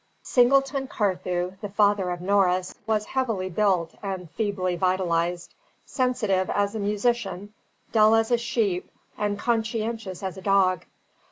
Singleton Carthew, the father of Norris, was heavily built and feebly vitalised, sensitive as a musician, dull as a sheep, and conscientious as a dog.